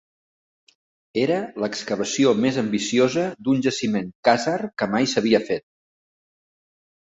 Era l'excavació més ambiciosa d'un jaciment khàzar que mai s'havia fet.